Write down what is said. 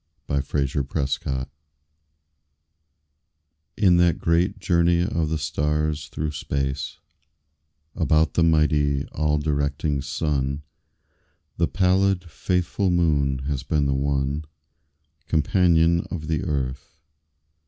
A SOLAR ECLIPSE In that great journey of the stars through space About the mighty, all directing Sun, The pallid, faithful Moon has been the one Companion of the Earth.